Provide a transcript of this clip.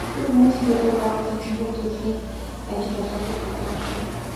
Тэр хүмүүсийн төлөө байгуулагдсан бүх төрлийн ажил олгодог газарт очив.